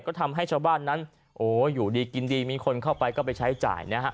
ก็ทำให้ชาวบ้านนั้นโอ้อยู่ดีกินดีมีคนเข้าไปก็ไปใช้จ่ายนะฮะ